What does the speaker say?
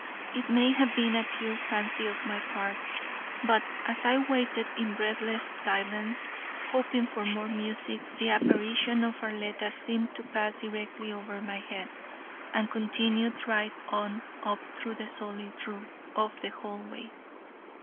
It may have been a pure fancy on my part, but as I waited in breathless silence, hoping for more music, the apparition of Arletta seemed to pass directly over my head, and continued right on up through the solid roof of the hallway.